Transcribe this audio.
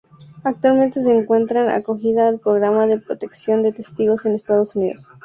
Actualmente se encuentra acogido al programa de Protección de Testigos en Estados Unidos.